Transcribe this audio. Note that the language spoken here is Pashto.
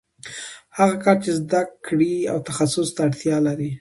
هغه کار چې زده کړې او تخصص ته اړتیا لري